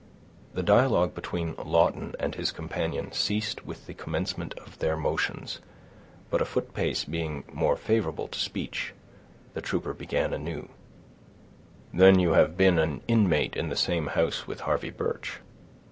The dialogue between Lawton and his companion ceased with the commencement of their motions, but a footpace being more favorable to speech, the trooper began anew: "Then, you have been an inmate in the same house with Harvey Birch?"